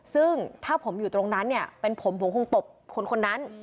ซึ่งถ้าผมอยู่ตรงนั้นเนี่ยเป็นผมผมคงตบคนนั้น